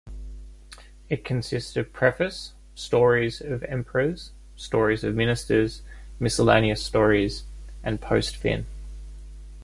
It consists of Preface, Stories of Emperors, Stories of Ministers, Miscellaneous Stories and Post-fin.